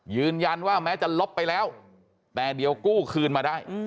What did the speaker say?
ยืนยันว่าแม้จะลบไปแล้วแต่เดี๋ยวกู้คืนมาได้